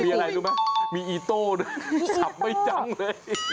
มีอะไรรู้ไหมมีอีโต้ด้วยขับไม่จังเลย